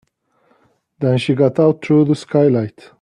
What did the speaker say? Then she got out through the skylight.